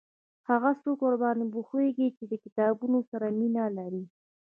هغه څوک ورباندي پوهیږي چې د کتابونو سره مینه لري